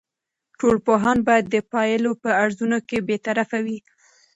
ټول پوهان باید د پایلو په ارزونه کې بیطرف وي.